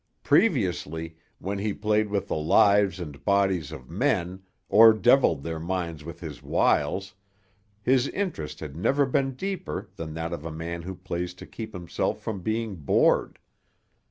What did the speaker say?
Previously, when he played with the lives and bodies of men or devilled their minds with his wiles, his interest had never been deeper than that of a man who plays to keep himself from being bored.